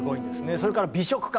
それから美食家